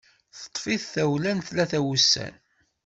Teṭṭef-it tawla n tlata n wussan.